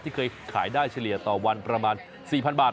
เคยขายได้เฉลี่ยต่อวันประมาณ๔๐๐๐บาท